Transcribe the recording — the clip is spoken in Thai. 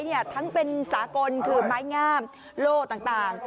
ทั้งเป็นสากลคือไม้งามโล่ต่าง